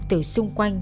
từ xung quanh